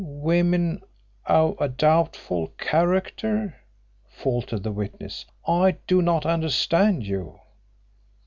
"Women of doubtful character?" faltered the witness. "I do not understand you."